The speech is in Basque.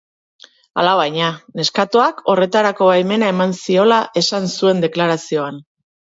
Alabaina, neskatoak horretarako baimena eman ziola esan zuen deklarazioan.